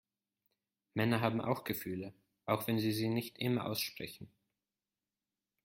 Männer haben auch Gefühle, auch wenn sie sie nicht immer aussprechen.